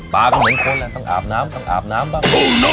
เหมือนคนต้องอาบน้ำต้องอาบน้ำบ้าง